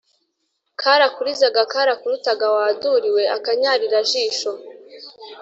Karakurizaga karakurutaga wa duri we ?!-Akanyarirajisho.